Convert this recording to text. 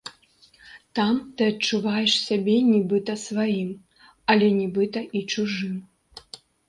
Там ты адчуваеш сябе нібыта сваім, але нібыта і чужым.